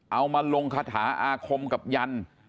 เอามาลงคาถาอาคมกับยัน